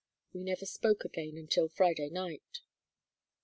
We never spoke again until Friday night."